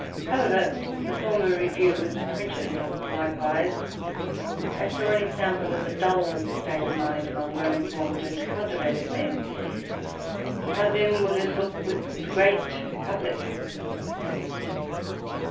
However, the former review was printed likewise: I saw an example of the dull state of mind among well informed and cultivated men. How, then, would it look with the great public?